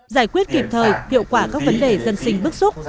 giải quyết kịp thời hiệu quả các vấn đề dân sinh bức xúc